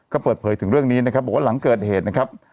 ก็เปิดเผยถึงเรื่องนี้บอกว่าหลังเกิดเหตุ